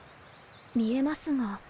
見えますが。